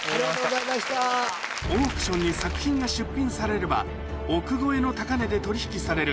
オークションに作品が出品されれば億超えの高値で取引される